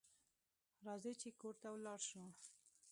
راځئ چې کور ته ولاړ شو